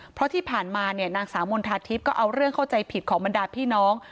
เพราะที่ผ่านมาเนี่ยนางสาวมณฑาทิพย์ก็เอาเรื่องเข้าใจผิดของบรรดาพี่น้อง